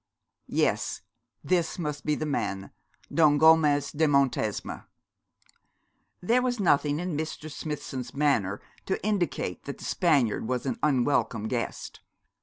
Yes, this must be the man, Don Gomez de Montesma. There was nothing in Mr. Smithson's manner to indicate that the Spaniard was an unwelcome guest.